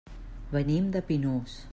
Venim de Pinós.